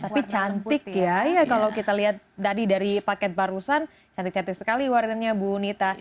tapi cantik ya iya kalau kita lihat tadi dari paket barusan cantik cantik sekali warnanya bu nita